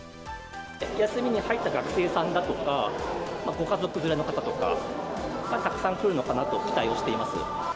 休みに入った学生さんだとか、ご家族連れの方とかがたくさん来るのかなと期待をしています。